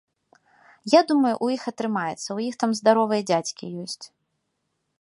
Я думаю, у іх атрымаецца, у іх там здаровыя дзядзькі ёсць.